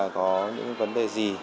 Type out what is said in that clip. có những vấn đề gì